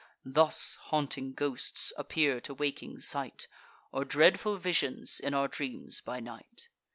(Thus haunting ghosts appear to waking sight, Or dreadful visions in our dreams by night.)